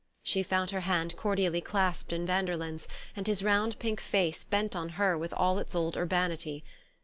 She found her hand cordially clasped in Vanderlyn's, and his round pink face bent on her with all its old urbanity.